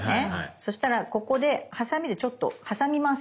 そしたらここでハサミでちょっと挟みます。